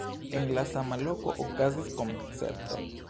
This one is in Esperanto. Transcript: En la sama loko okazis koncerto.